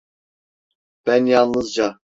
Ben yalnızca…